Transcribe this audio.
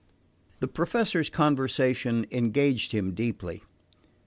The Professor's conversation engaged him deeply.